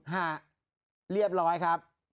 ฮะเรียบร้อยครับ